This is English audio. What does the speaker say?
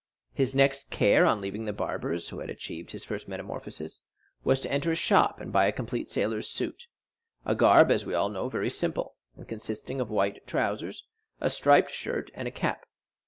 His next care on leaving the barber's who had achieved his first metamorphosis was to enter a shop and buy a complete sailor's suit—a garb, as we all know, very simple, and consisting of white trousers, a striped shirt, and a cap.